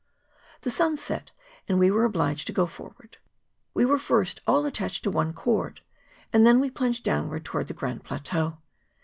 The sun set; and we were obliged to go forward. We were, first, all attached to one cord, and tlien we plunged downwards towards the Grand Plateau.